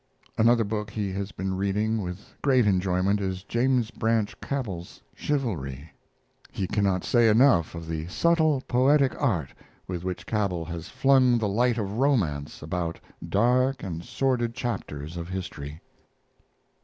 Another book he has been reading with great enjoyment is James Branch Cabell's Chivalry. He cannot say enough of the subtle poetic art with which Cabell has flung the light of romance about dark and sordid chapters of history.